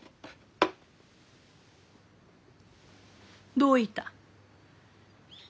どういた？